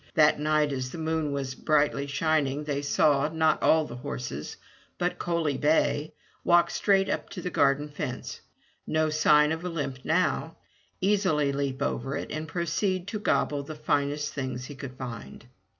That night as the moon was brightly shining they saw, not all the horses, but Coaly bay, walk straight up to the garden fence — no sign of a limp now — easily leap over it, and proceed to gobble the finest things he could find.